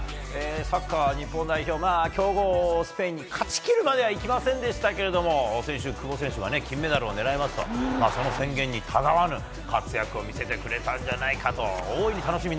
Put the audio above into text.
サッカー日本代表が強豪スペインに勝ちきるまではいきませんでしたが久保選手は金メダルを狙いますとその宣言にたがわぬ活躍を見せてくれたんじゃないかと。